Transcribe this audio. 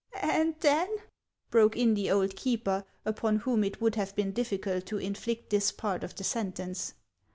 "And then?" broke in the old keeper, upon whom it would have been difficult to inflict this part of the sentence.